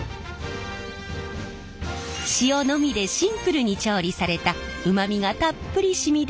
塩のみでシンプルに調理されたうまみがたっぷりしみ出たかき。